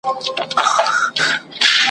او د پردیو په پسرلي کي مي ,